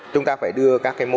chúng ta phải đưa các cái môn